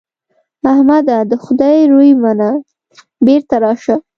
احمده! د خدای روی منه؛ بېرته راشه.